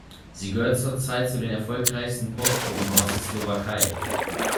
Sie gehört zurzeit zu den erfolgreichsten Popgruppen aus der Slowakei.